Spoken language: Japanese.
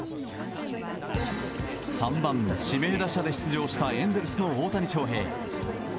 ３番指名打者で出場したエンゼルスの大谷翔平。